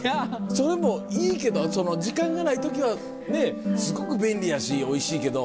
それもいいけど時間がない時はすごく便利やしおいしいけど。